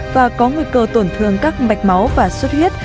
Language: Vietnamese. và có nguy cơ tổn thương các mạch máu và sốt huyết